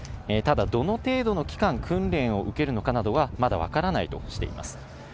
ただ、どの程度の期間、訓練を受けるのかなどは、まだ分からないとしています。